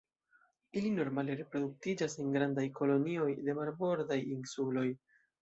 Ili normale reproduktiĝas en grandaj kolonioj de marbordaj insuloj.